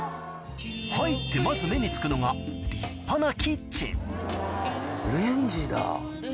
入ってまず目につくのが立派なレンジだ。